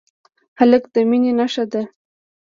هلک د مینې نښه ده.